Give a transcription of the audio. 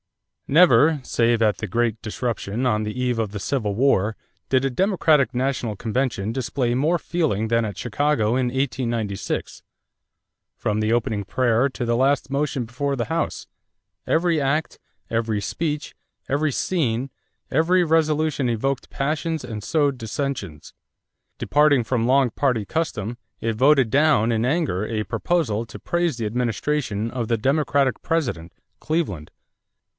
= Never, save at the great disruption on the eve of the Civil War, did a Democratic national convention display more feeling than at Chicago in 1896. From the opening prayer to the last motion before the house, every act, every speech, every scene, every resolution evoked passions and sowed dissensions. Departing from long party custom, it voted down in anger a proposal to praise the administration of the Democratic President, Cleveland.